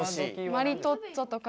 マリトッツォとか。